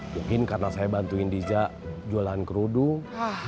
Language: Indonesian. mungkin karena saya bantuin dija jualan kerudung